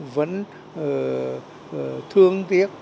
vẫn thương tiếc